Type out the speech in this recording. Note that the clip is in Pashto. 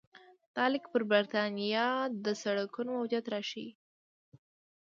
دا لیک په برېټانیا کې د سړکونو موجودیت راښيي